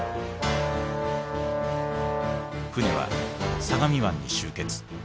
船は相模湾に集結。